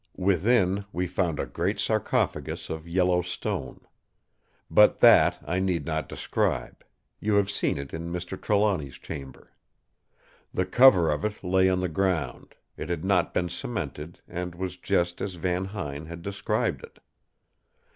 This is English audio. "Within, we found a great sarcophagus of yellow stone. But that I need not describe; you have seen it in Mr. Trelawny's chamber. The cover of it lay on the ground; it had not been cemented, and was just as Van Huyn had described it.